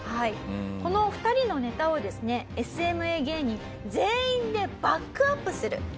この２人のネタをですねＳＭＡ芸人全員でバックアップする。